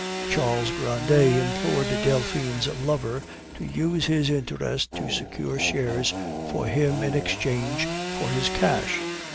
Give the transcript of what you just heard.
Charles Grandet implored Delphine's lover to use his interest to secure shares for him in exchange for his cash.